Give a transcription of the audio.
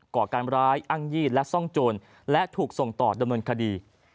ก่อการร้ายอ้างยีดและซ่องโจรและถูกส่งต่อดำเนินคดี